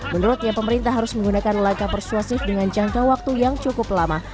menurutnya pemerintah harus menggunakan langkah persuasif dengan jangka waktu yang cukup lama